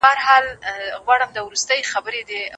ځان بریالیتوب ته ورسوه.